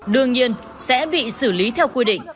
đương nhiên sẽ bị xử lý theo quy định